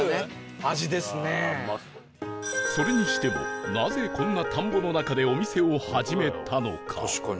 それにしてもなぜこんな田んぼの中でお店を始めたのか？